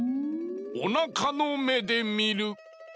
おなかのめでみる！